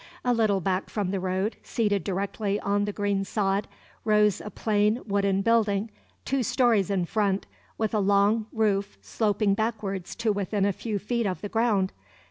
A little back from the road, seated directly on the green sod, rose a plain wooden building, two stories in front, with a long roof sloping backwards to within a few feet of the ground.